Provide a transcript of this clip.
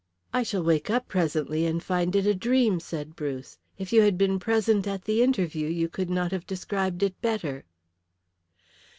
"I shall wake up presently and find it a dream," said Bruce. "If you had been present at the interview you could not have described it better."